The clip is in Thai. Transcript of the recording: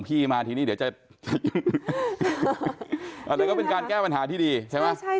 อะไรก็เป็นการแก้ปัญหาที่ดีใช่ไหม